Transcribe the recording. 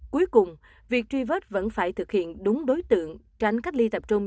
cuối cùng việc truy vết vẫn phải thực hiện đúng đối tượng tránh cách ly tập trung